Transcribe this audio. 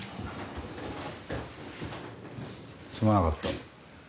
すまなかった。